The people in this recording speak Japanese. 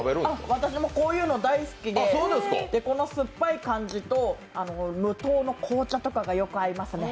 私もこういうの大好きで、この酸っぱい感じと、無糖の紅茶とかがよく合いますね。